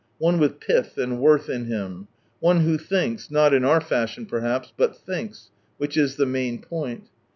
One with pith and worth in him. One who thinks — not in our fashion perhaps, but thinks, which is the main point.